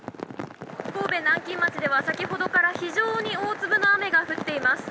神戸・南京町では先ほどから非常に大粒の雨が降っています。